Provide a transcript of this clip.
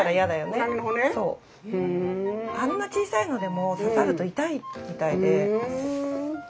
あんな小さいのでも刺さると痛いみたいで。